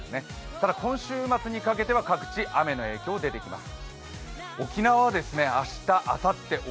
ただ今週末にかけては各地、雨の影響が出てきます。